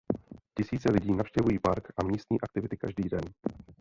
Tisíce lidí navštěvují park a místní aktivity každý den.